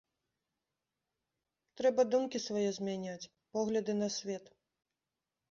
Трэба думкі свае змяняць, погляды на свет.